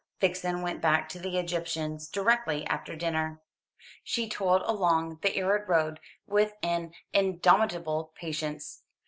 Vixen went back to the Egyptians directly after dinner. She toiled along the arid road with an indomitable patience.